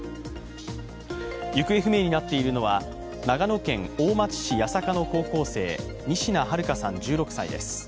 行方不明になっているのは長野県大町市八坂の高校生、仁科日花さん、１６歳です。